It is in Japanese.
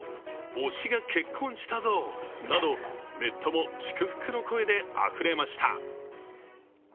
推しが結婚したぞーなど、ネットも祝福の声であふれました。